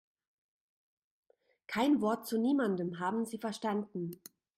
Kein Wort zu niemandem, haben Sie verstanden?